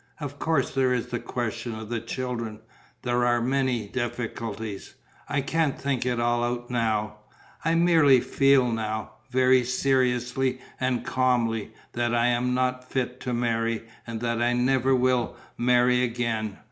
Of course there is the question of the children, there are many difficulties. I can't think it all out now. I merely feel now, very seriously and calmly, that I am not fit to marry and that I never will marry again.